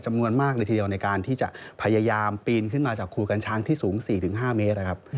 จำนวนมากเลยทีเดียวในการที่จะพยายามปีนขึ้นมาจากครูกัญช้างที่สูง๔๕เมตรนะครับ